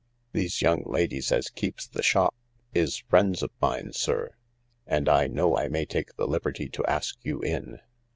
These young ladies as keeps the shop is friends of mine, sir, and I know I may take the liberty to ask you in."